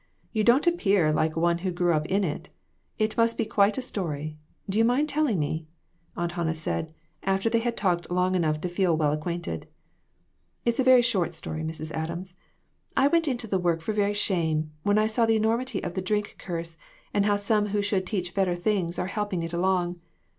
You don't appear like one who grew up in it. It must be quite a story. Do you mind telling me ?" Aunt Han nah said, after they had talked long enough to feel well acquainted. " It is a short story, Mrs. Adams. I went into the work for very shame, when I saw the enormity of the drink curse and how some who should teach better things are helping it along.